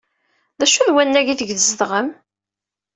D acu n wannag aydeg tzedɣem?